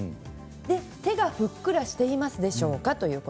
手がふっくらしていますでしょうか。